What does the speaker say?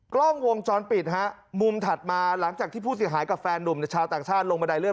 กล้องวงจรปิดฮะมุมถัดมาหลังจากที่ผู้เสียหายกับแฟนหนุ่มชาวต่างชาติลงบันไดเลื่อน